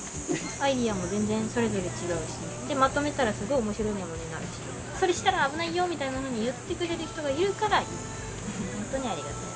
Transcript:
アイデアも全然それぞれ違うしでまとめたらすごい面白いものになるしそれしたら危ないよみたいなのに言ってくれる人がいるからいいホントにありがたい